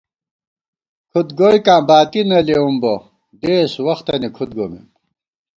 کھُد گوئیکاں باتی نہ لېوُم بہ دېس وختَنی کھُد گومېم